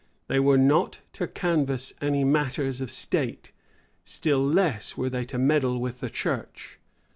They were not to canvass any matters of state; still less were they to meddle with the church.